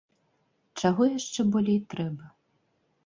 Чаго яшчэ болей трэба?